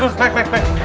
naik naik naik